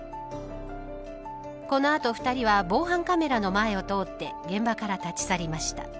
このあと２人は防犯カメラの前を通って現場から立ち去りました。